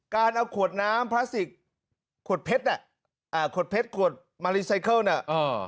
การเอาขวดน้ำพลาสติกขวดเพชรอ่ะอ่าขวดเพชรขวดมารีไซเคิลเนี่ยอ่า